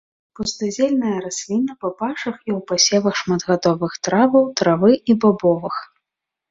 Пустазельная расліна па пашах і ў пасевах шматгадовых траў, травы і бабовых.